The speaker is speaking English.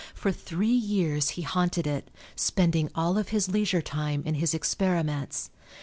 For three years he haunted it, spending all of his leisure time in his experiments.